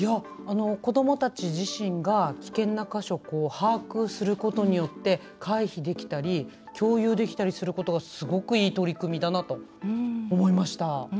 子どもたち自身が危険な箇所を把握することによって回避できたり共有できたりすることがすごくいい取り組みだなと思いました。